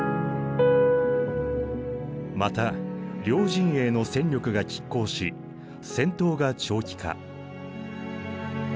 また両陣営の戦力がきっ抗し戦闘が長期化。